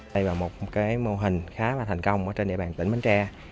đây là một mô hình khá là thành công ở trên địa bàn tỉnh bến tre